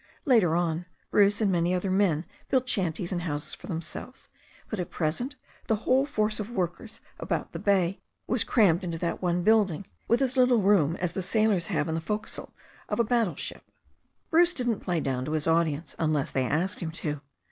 Later on, Bruce and many other men built shanties and houses for themselves, but at present the whole force of workers about the bay was crammed into that one building, with as little room as the sailors have in the fo'c'sle of a battle ship. Bruce didn't play down to his audience unless they asked him to.